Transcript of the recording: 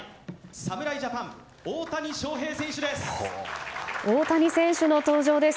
侍ジャパン、大谷翔平選手です。